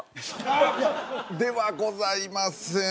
ではございませんよ